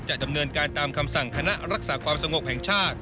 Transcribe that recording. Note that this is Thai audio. จะดำเนินการตามคำสั่งคณะรักษาความสงบแห่งชาติ